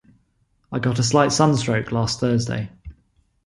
I got a slight sunstroke last Thursday.